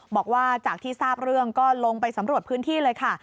บอกว่าจากที่ทราบเรื่องก็ลงไปสำรวจพื้นที่เลยค่ะ